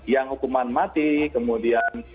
yang hukuman mati kemudian